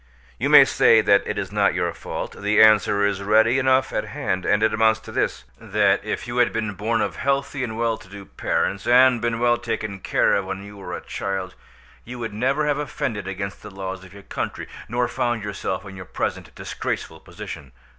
You may say that it is not your fault. The answer is ready enough at hand, and it amounts to this—that if you had been born of healthy and well to do parents, and been well taken care of when you were a child, you would never have offended against the laws of your country, nor found yourself in your present disgraceful position.